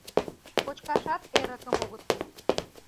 Кочкашат эрыкым огыт пу.